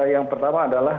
yang pertama adalah